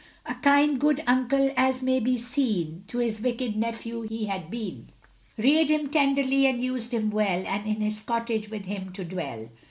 A kind good uncle as may be seen To his wicked nephew he had been; Reared him up tenderly and used him well, And in his cottage with him to dwell.